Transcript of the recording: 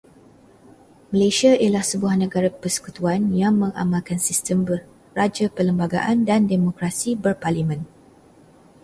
Malaysia ialah sebuah negara persekutuan yang mengamalkan sistem Raja Berperlembagaan dan Demokrasi Berparlimen.